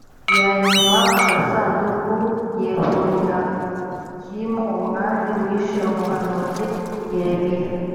ya nyuma agasanduku yehoyakimu umwami wishe umuhanuzi yeremiya